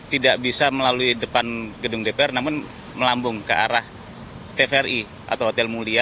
tidak bisa melalui depan gedung dpr namun melambung ke arah tvri atau hotel mulia